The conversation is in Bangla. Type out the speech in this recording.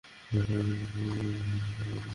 আমরা কিছু করতে পারবো না স্যার এইসব কী?